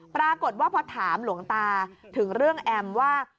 ปรากฏว่าพอถามหลวงตาถึงเรื่องแอมว่า